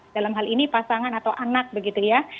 dalam hal ini pasangan atau anak begitu ya